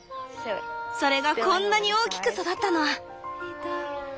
それがこんなに大きく育ったの！